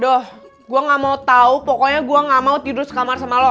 aduh gue nggak mau tahu pokoknya gue nggak mau tidur sekamar sama lo